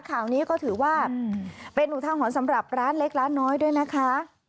ข่าวนี้ก็ถือว่าเป็นอุทาหรณ์สำหรับร้านเล็กร้านน้อยด้วยนะคะ